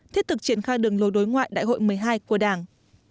thiết thực triển khai đường lối đối ngoại đại hội một mươi hai của đảng